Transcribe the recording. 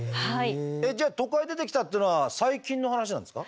えっじゃあ都会出てきたっていうのは最近の話なんですか？